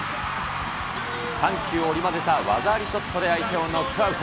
緩急織り交ぜた技ありショットで相手をノックアウト。